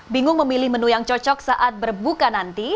bingung memilih menu yang cocok saat berbuka nanti